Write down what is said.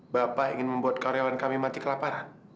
bapak ingin membuat karyawan kami mati kelaparan